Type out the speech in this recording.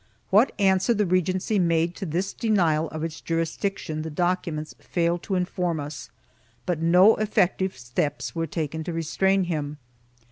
What answer the regency made to this denial of its jurisdiction the documents fail to inform us, but no effective steps were taken to restrain him.